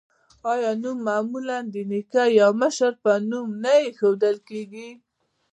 آیا نوم معمولا د نیکه یا مشر په نوم نه ایښودل کیږي؟